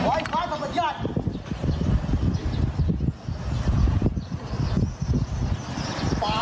อืม